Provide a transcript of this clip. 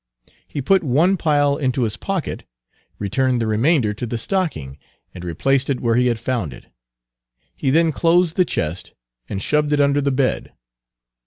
He put one pile into his pocket, returned the remainder to the stocking, and replaced it where he had found it. He then closed the chest and shoved it under the bed.